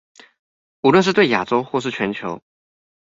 無論是對亞洲或是全球